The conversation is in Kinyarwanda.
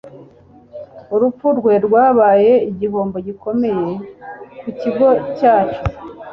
Urupfu rwe rwabaye igihombo gikomeye ku kigo cyacu